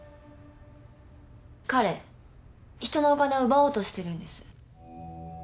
彼ひとのお金を奪おうとしてるんです。